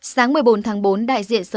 sáng một mươi bốn tháng bốn đại diện sở